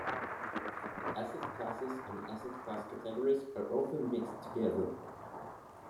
Asset classes and asset class categories are often mixed together.